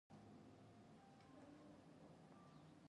بد اشخاص د قوم استازي نه دي.